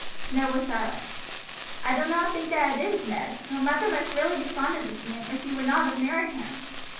Ned was silent. "I do not think that it is, Ned. Your mother must be really fond of this man or she would not have married him.